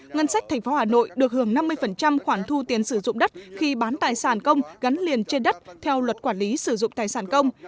ngân sách thành phố hà nội được hưởng năm mươi khoản thu tiền sử dụng đất khi bán tài sản công gắn liền trên đất theo luật quản lý sử dụng tài sản công